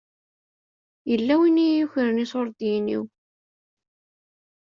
Yella win i yukren iṣuṛdiyen-iw.